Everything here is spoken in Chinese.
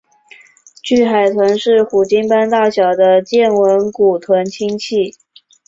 巨海豚是虎鲸般大小的剑吻古豚亲属。